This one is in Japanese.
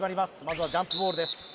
まずはジャンプボールです